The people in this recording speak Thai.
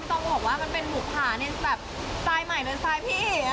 พี่ซ่อมก็บอกว่ามันเป็นหมู่ผ่าในสไตล์ใหม่ในสไตล์พี่